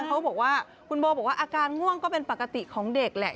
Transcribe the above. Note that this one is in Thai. เขาบอกว่าคุณโบบอกว่าอาการง่วงก็เป็นปกติของเด็กแหละ